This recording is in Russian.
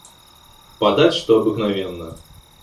Подать, что обыкновенно.